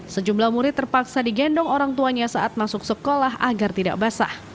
sejumlah murid terpaksa digendong orang tuanya saat masuk sekolah agar tidak basah